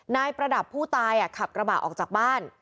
ประดับผู้ตายขับกระบะออกจากบ้าน